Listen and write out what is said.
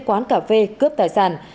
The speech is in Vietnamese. quán cà phê cướp tài sản